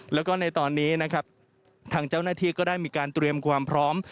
แล้วก็ในตอนนี้นะครับทางเจ้าหน้าที่ก็ได้มีการเตรียมความพร้อม